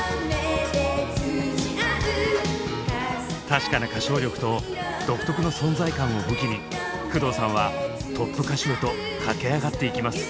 確かな歌唱力と独特の存在感を武器に工藤さんはトップ歌手へと駆け上がっていきます。